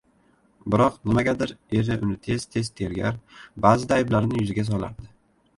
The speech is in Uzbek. Biroq nimagadir eri uni tez-tez tergar, baʼzida ayblarini yuziga solardi.